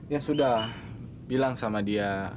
ya sudah bilang sama dia